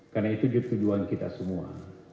karena itu tujuan kita semua